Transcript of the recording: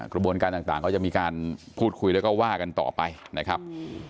กระบวนการต่างก็จะมีการพูดคุยแล้วก็ว่ากันต่อไปนะครับ